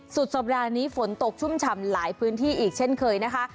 สุดสัปดาห์นี้ฝนตกชุ่มฉ่ำหลายพื้นที่อีกเช่นเคยนะคะ